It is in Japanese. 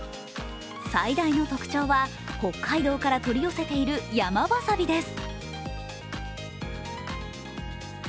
最大の特徴は北海道から取り寄せている山わさびです。